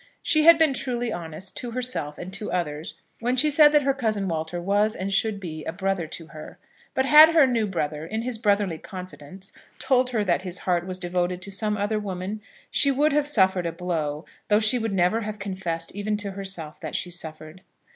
She had been truly honest, to herself and to others, when she said that her cousin Walter was and should be a brother to her; but had her new brother, in his brotherly confidence, told her that his heart was devoted to some other woman, she would have suffered a blow, though she would never have confessed even to herself that she suffered.